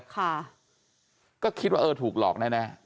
ก็คิดว่าถูกหลอกแน่